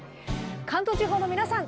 関東地方の皆さん